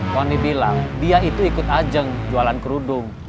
tony bilang dia itu ikut ajeng jualan kerudung